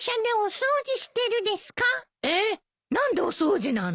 えっ？何でお掃除なの？